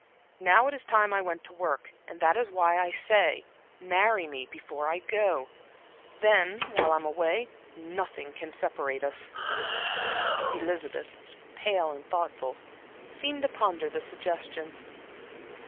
Now it is time I went to work. And that is why I say marry me before I go. Then, while I am away, nothing can separate us." Elizabeth, pale and thoughtful, seemed to ponder the suggestion.